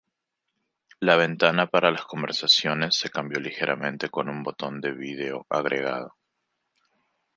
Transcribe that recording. La ventana para las conversaciones se cambió ligeramente con un botón de vídeo agregado.